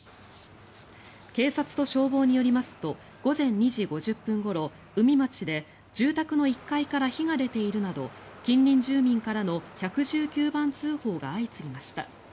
警察と消防によりますと午前２時５０分ごろ、宇美町で住宅の１階から火が出ているなど近隣住民からの１１９番通報が相次ぎました。